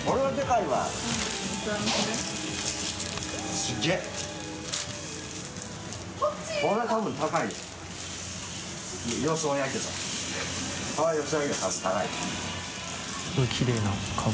すごいきれいなカブ。